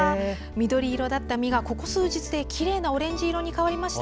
緑色だった実がここ数日できれいなオレンジ色に変わりました。